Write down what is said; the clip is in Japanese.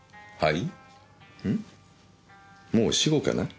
もう死語かな？